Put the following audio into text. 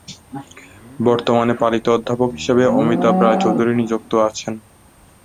বর্তমানে পালিত অধ্যাপক হিসেবে অমিতাভ রায়চৌধুরী নিযুক্ত আছেন।